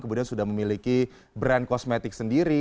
kemudian sudah memiliki brand kosmetik sendiri